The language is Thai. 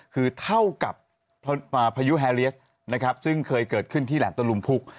คือเท่ากับพายุแฮเลียสนะครับซึ่งเคยเกิดขึ้นที่แหลมตะลุมพุก